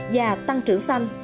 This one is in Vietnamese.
và tăng trưởng xanh